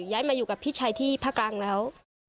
ย้ายมาอยู่กับพี่ชายที่ภาคกลางแล้ว